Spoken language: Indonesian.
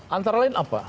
antara lain apa